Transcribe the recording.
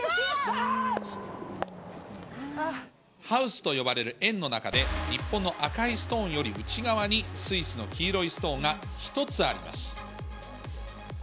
ハウスと呼ばれる円の中で、日本の赤いストーンより内側にスイスの黄色いストーンが１つあります。